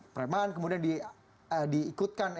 preman kemudian diikutkan